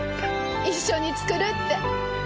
一緒に作るって。